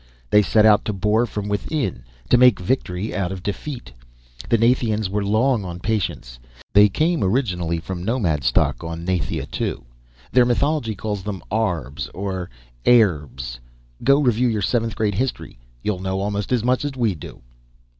They set out to bore from within, to make victory out of defeat. The Nathians were long on patience. They came originally from nomad stock on Nathia II. Their mythology calls them Arbs or Ayrbs. Go review your seventh grade history. You'll know almost as much as we do!"